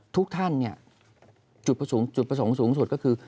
ทุกท่านเนี่ยจุดประสงค์สูงสุดก็คือ